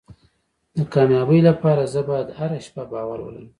د کامیابۍ لپاره زه باید هره شپه باور ولرم.